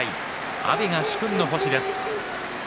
阿炎が殊勲の星です。